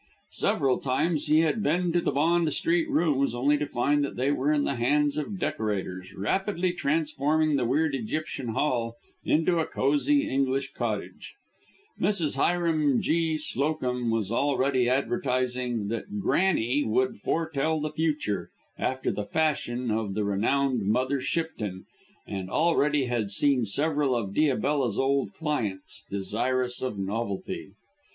Several times he had been to the Bond Street rooms, only to find that they were in the hands of decorators, rapidly transforming the weird Egyptian hall into a cosy English cottage. Mrs. Hiram G. Slowcomb was already advertising that "Granny!" would foretell the future after the fashion of the renowned Mother Shipton, and already had seen several of Diabella's old clients, desirous of novelty.